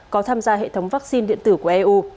có tham gia hệ thống vaccine điện tử của eu